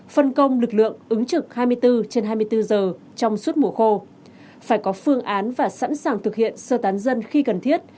phân công lực lượng ứng trực hai mươi bốn trên hai mươi bốn giờ trong suốt mùa khô phải có phương án và sẵn sàng thực hiện sơ tán dân khi cần thiết